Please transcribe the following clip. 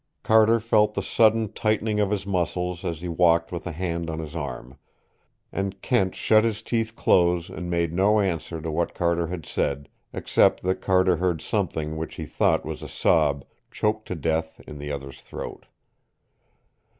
Carter felt the sudden tightening of his muscles as he walked with a hand on his arm. And Kent shut his teeth close and made no answer to what Carter had said, except that Carter heard something which he thought was a sob choked to death in the other's throat.